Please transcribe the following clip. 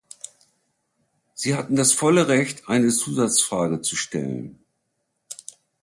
Sie hatten das volle Recht, eine Zusatzfrage zu stellen.